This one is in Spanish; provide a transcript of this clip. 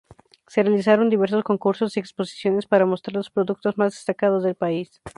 Se realizaron diversos concursos y exposiciones para mostrar los productos más destacados del país.